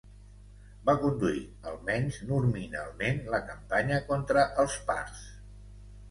Va conduir, almenys nominalment, la campanya contra els parts.